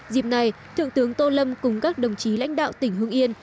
dịp này thượng tướng tô lâm cùng các đồng chí lãnh đạo tỉnh hưng yên